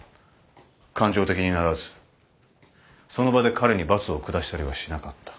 感情的にならずその場で彼に罰を下したりはしなかった。